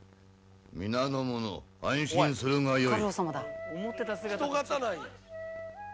「皆の者安心するがよい」